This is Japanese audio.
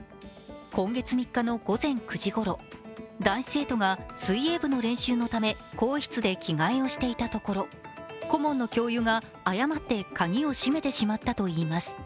今月３日の午前９時ごろ、男子生徒が水泳部の練習のため更衣室で着替えをしていたところ、顧問の教諭が鍵を閉めてしまったといいます。